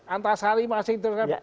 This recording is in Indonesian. antasari masih terkena